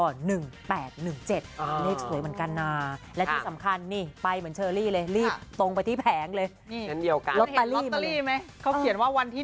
เลขสวยเหมือนกันนะและที่สำคัญนี่ไปเหมือนเชอรี่เลยรีบตรงไปที่แผงเลย